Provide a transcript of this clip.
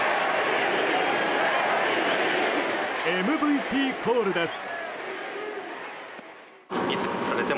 ＭＶＰコールです。